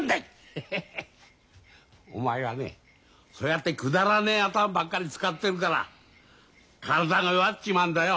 ヘヘヘお前はねそうやってくだらねえ頭ばっかり使ってるから体が弱っちまうんだよ。